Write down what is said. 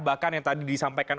bahkan yang tadi disampaikan